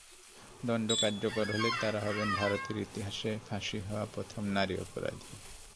দণ্ড কার্যকর হলে তাঁরা হবেন ভারতের ইতিহাসে ফাঁসি হওয়া প্রথম নারী অপরাধী।